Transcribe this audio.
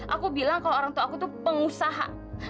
aku bilang kalau orang tua aku tuh pengusaha